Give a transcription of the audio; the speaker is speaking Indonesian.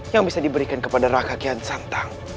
yang bisa diberikan kepada raka kian santang